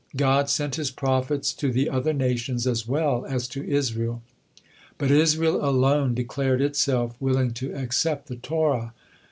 God sent His prophets to the other nations as well as to Israel, but Israel alone declared itself willing to accept the Torah.